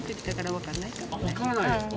わからないですか。